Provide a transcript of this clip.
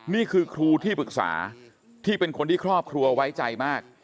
นี่คือครูที่ปรึกษาที่เป็นคนที่ครอบครัวไว้ใจมาก